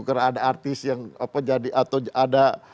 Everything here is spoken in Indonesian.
karena ada artis yang apa jadi atau ada